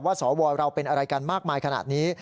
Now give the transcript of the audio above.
สวเราเป็นอะไรกันมากมายขนาดนี้